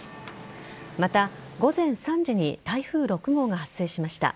また、午前３時に台風６号が発生しました。